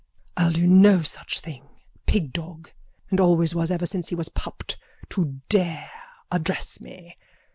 _ I'll do no such thing. Pigdog and always was ever since he was pupped! To dare address me!